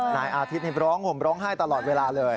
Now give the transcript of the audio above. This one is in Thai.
นายอาทิตย์นี่เพราะผมร้องไห้ตลอดเวลาเลย